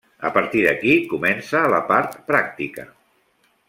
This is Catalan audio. A partir d'aquí comença la part pràctica.